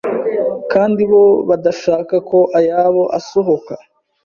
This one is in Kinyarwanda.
kandi bo badashaka ko ayabo asohoka.